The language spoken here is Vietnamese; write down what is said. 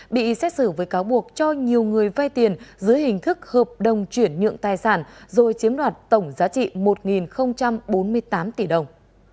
bị xét xử với cáo buộc cho nhiều người vay tiền dưới hình thức hợp đồng chuyển nhượng tài sản rồi chiếm đoạt tổng giá trị một bốn mươi tám tỷ đồng